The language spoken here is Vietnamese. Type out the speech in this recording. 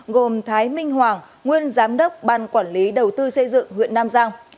gồm thái minh hoàng nguyên giám đốc ban quản lý đầu tư xây dựng huyện nam giang